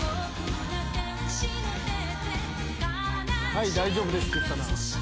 はい大丈夫ですって言ったな。